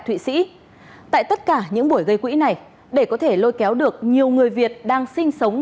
thụy sĩ tại tất cả những buổi gây quỹ này để có thể lôi kéo được nhiều người việt đang sinh sống